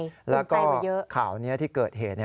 อุ่นใจมาเยอะแบบนี้ก็ชอบแล้วก็ข่าวนี้ที่เกิดเหตุ